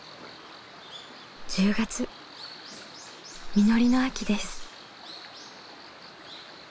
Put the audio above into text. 実りの秋です。